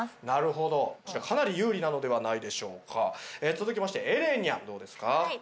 続きましてエレにゃんどうですか？